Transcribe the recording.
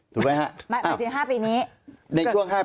ในท่วง๕ปีในช่วง๕ปีไง